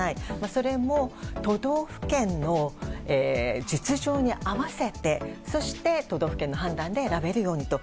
それも都道府県の実情に合わせてそして、都道府県の判断で選べるようにと。